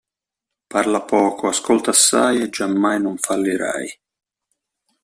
Parla poco, ascolta assai e giammai non fallirai.